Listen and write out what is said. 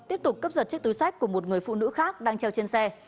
tiếp tục cướp giật chiếc túi sách của một người phụ nữ khác đang treo trên xe